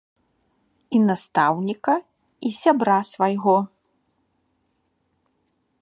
І настаўніка, і сябра свайго.